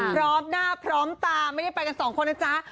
พร้อมหน้าพร้อมตาไม่ได้ไปกันสองคนนะจ๊ะ